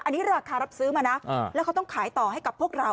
อันนี้ราคารับซื้อมานะแล้วเขาต้องขายต่อให้กับพวกเรา